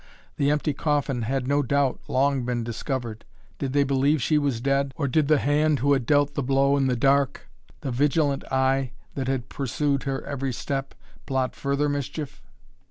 The empty coffin had no doubt long been discovered. Did they believe she was dead, or did the hand who had dealt the blow in the dark, the vigilant eye that had pursued her every step, plot further mischief?